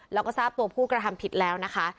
แล้วก็ทราบตัวผู้กระทำผิดแล้วนะคะ